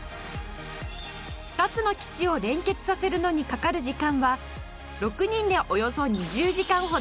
２つの基地を連結させるのにかかる時間は６人でおよそ２０時間ほど。